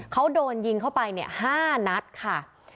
เขาโดนยิงเข้าไปเนี่ยห้านัดค่ะ